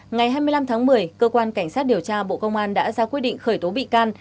ngày hai mươi năm tháng một mươi cơ quan cảnh sát điều tra bộ công an đã ra quyết định khởi tố bị can